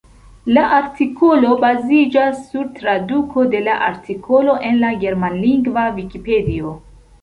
La artikolo baziĝas sur traduko de la artikolo en la germanlingva vikipedio.